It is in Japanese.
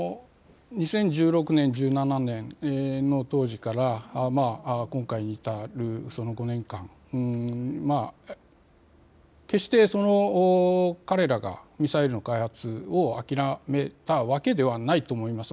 ２０１６年、１７年の当時から今回に至る５年間、決して彼らがミサイルの開発を諦めたわけではないと思います。